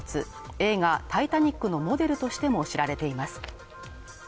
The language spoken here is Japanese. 映画「タイタニック」のモデルとしても知られています。